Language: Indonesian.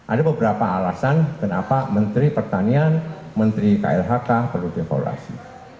ada beberapa alasan kenapa menteri pertanian menteri klhk perlu dievaluasi